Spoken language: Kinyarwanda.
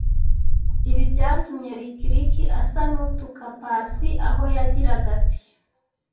ibi byatumye Lick Lick asa n’utuka Paccy aho yagiraga ati